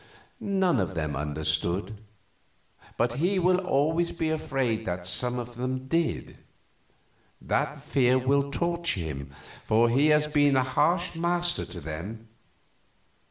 "None of them understood, but he will always be afraid that some of them did. That fear will be torture to him, for he has been a harsh master to them.